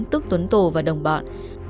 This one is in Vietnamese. tức tuấn tổ và đồng bọn